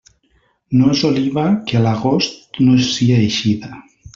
No és oliva que a l'agost no sia eixida.